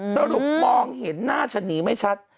สรุปมองเห็นหน้าฉันหนีไม่ชัด